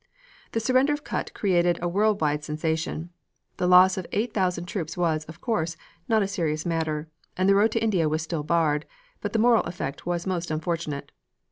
The surrender of Kut created a world wide sensation. The loss of eight thousand troops was, of course, not a serious matter, and the road to India was still barred, but the moral effect was most unfortunate.